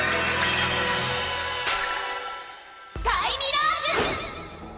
スカイミラージュ！